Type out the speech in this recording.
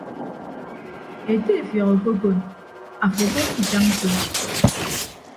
Ete efiọk okokon afo abo ke itañ so.